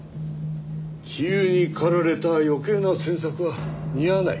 杞憂に駆られた余計な詮索は似合わない。